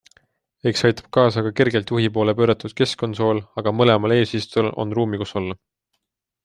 Eks aitab kaasa ka kergelt juhi poole pööratud keskkonsool, aga mõlemal eesistujal on ruumi, kus olla.